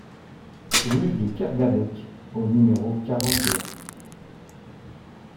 Rue de Kergadec au numéro quarante et un